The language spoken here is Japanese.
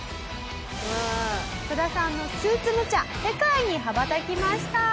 サダさんのスーツむちゃ世界に羽ばたきました。